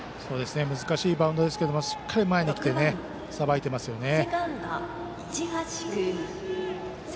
難しいバウンドですけどしっかり前に来てさばいていますよね。